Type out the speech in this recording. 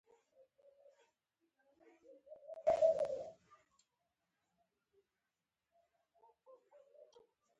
دا میز غټ ده